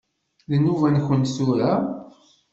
D nnuba-nkent tura?